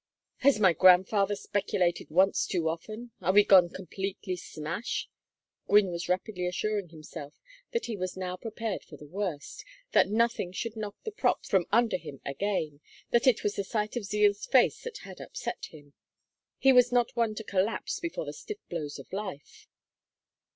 "Has my grandfather speculated once too often? Are we gone completely smash?" Gwynne was rapidly assuring himself that he was now prepared for the worst, that nothing should knock the props from under him again, that it was the sight of Zeal's face that had upset him; he was not one to collapse before the stiff blows of life.